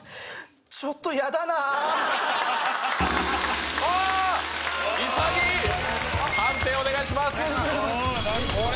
ちょっと嫌だなあ潔い！